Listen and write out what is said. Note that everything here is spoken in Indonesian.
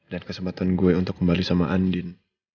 dan kesempatan gue untuk kembali sama andin